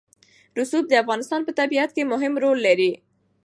رسوب د افغانستان په طبیعت کې مهم رول لري.